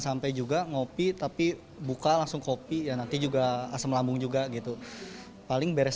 sampai juga ngopi tapi buka langsung kopi ya nanti juga asam lambung juga gitu paling beres